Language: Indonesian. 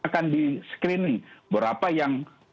akan di screening berapa yang